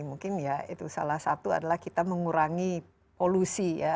mungkin ya itu salah satu adalah kita mengurangi polusi ya